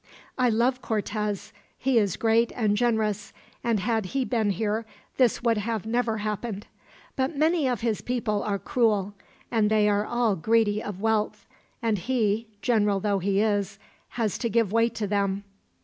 "I love Cortez. He is great and generous, and had he been here this would have never happened; but many of his people are cruel, and they are all greedy of wealth; and he, general though he is, has to give way to them.